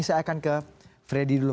saya akan ke freddy dulu